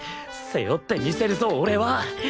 背負ってみせるぞ俺は！